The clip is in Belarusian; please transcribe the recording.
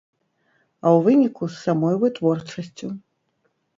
А ў выніку, з самой вытворчасцю.